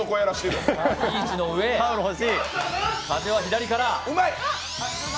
風は左から。